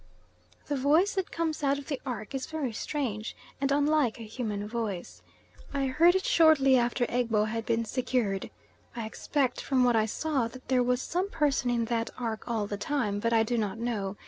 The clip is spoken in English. The voice that comes out of the ark is very strange, and unlike a human voice. I heard it shortly after Egbo had been secured. I expect, from what I saw, that there was some person in that ark all the time, but I do not know.